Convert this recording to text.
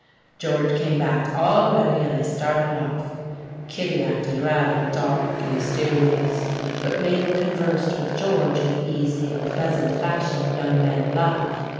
George came back all ready, and they started off. Kittie acted rather dark and mysterious, but Mabel conversed with George in the easy and pleasant fashion young men love.